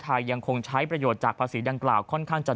ไทยยังคงใช้ประโยชน์จากภาษีอย่างเกลาค่อนข้างจะ